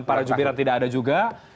para jubiran tidak ada juga